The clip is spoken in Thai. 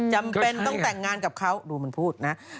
จำเป็นต้องแต่งงานกับเขาดูมันพูดนะ